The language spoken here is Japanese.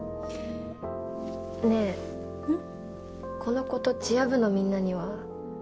ねぇこのことチア部のみんなには？